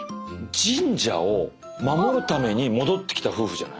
神社を守るために戻ってきた夫婦じゃない？